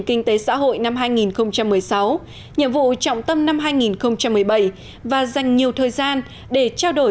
kinh tế xã hội năm hai nghìn một mươi sáu nhiệm vụ trọng tâm năm hai nghìn một mươi bảy và dành nhiều thời gian để trao đổi